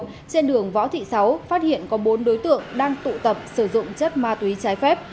thạch thủy mộc trên đường võ thị sáu phát hiện có bốn đối tượng đang tụ tập sử dụng chất ma túy trái phép